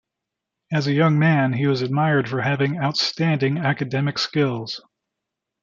As a young man he was admired for having outstanding academic skills.